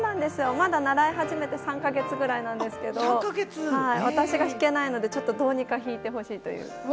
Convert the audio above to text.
まだ習い始めて３か月ぐらいなんですけど、私が弾けないので、ちょっとどうにか弾いてほしいという。